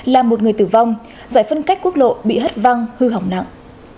làm một người tử vong giải phân cách quốc lộ bị hất văng hư hỏng nặng